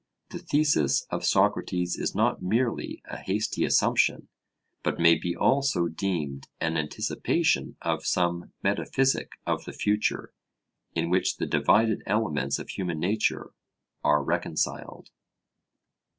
The thesis of Socrates is not merely a hasty assumption, but may be also deemed an anticipation of some 'metaphysic of the future,' in which the divided elements of human nature are reconciled.